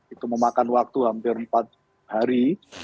itu memakan waktu hampir empat hari